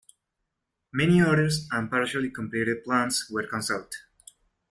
Many orders and partially completed plants were cancelled.